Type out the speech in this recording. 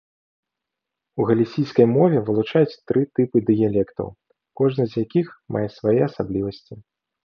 У галісійскай мове вылучаюць тры групы дыялектаў, кожная з якіх мае свае асаблівасці.